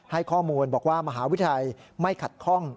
ให้ข้อมูลบอกว่ามหาวิทยาลัยไม่ขัดข้อง